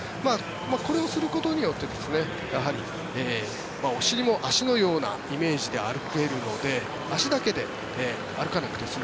これをすることによって、やはりお尻も足のようなイメージで歩けるので足だけで歩かなくて済む。